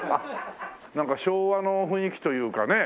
なんか昭和の雰囲気というかね。